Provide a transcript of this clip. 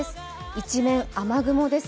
一面雨雲です。